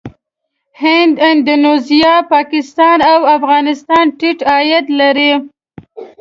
هند، اندونیزیا، پاکستان او افغانستان ټيټ عاید لري.